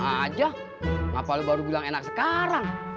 aja ngapain lu baru bilang enak sekarang